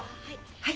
はい。